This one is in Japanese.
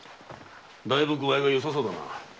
だいぶ具合はよさそうだな。